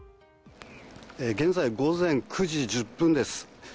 現在午前９時１０分です。